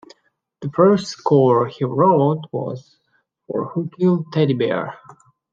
The first score he wrote was for Who Killed Teddy Bear?